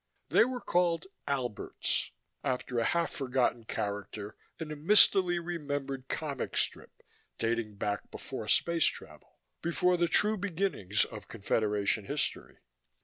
They were called Alberts, after a half forgotten character in a mistily remembered comic strip dating back before space travel, before the true beginnings of Confederation history.